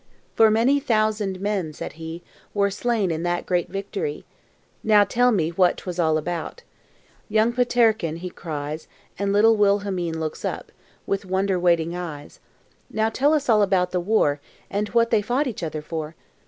For many thousand men," said he, "Were slain in that great victory." "Now tell me what 'twas all about," Young Peterkin, he cries; And little Wilhelmine looks up With wonder waiting eyes; "Now tell us all about the war, And what they fought each other for."